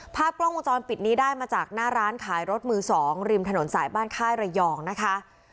ภาพกล้องวงจรปิดนี้ได้มาจากหน้าร้านขายรถมือ๒ริมถนนสายบ้านค่ายระยองนะคะ